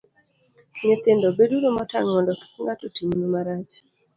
Nyithindo, beduru motang' mondo kik ng'ato timnu marach.